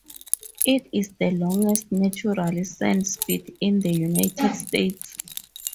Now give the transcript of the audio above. It is the longest natural sand spit in the United States.